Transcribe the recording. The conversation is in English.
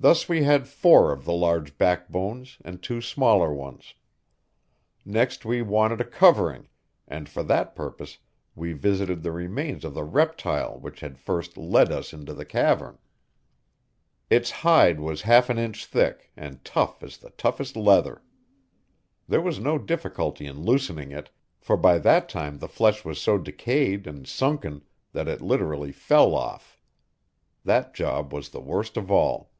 Thus we had four of the large backbones and two smaller ones. Next we wanted a covering, and for that purpose we visited the remains of the reptile which had first led us into the cavern. Its hide was half an inch thick and tough as the toughest leather. There was no difficulty in loosening it, for by that time the flesh was so decayed and sunken that it literally fell off. That job was the worst of all.